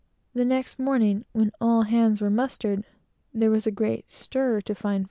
The next morning, when all hands were mustered, there was a great stir to find F